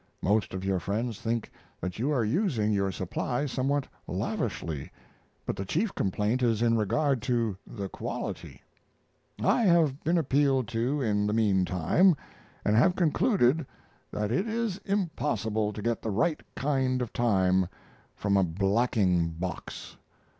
Most of your friends think that you are using your supply somewhat lavishly, but the chief complaint is in regard to the quality. I have been appealed to in the mean time, and have concluded that it is impossible to get the right kind of time from a blacking box.